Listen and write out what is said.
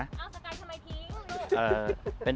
เอาสกายทำไมทิ้งลูก